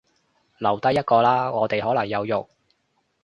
留低一個啦，我哋可能有用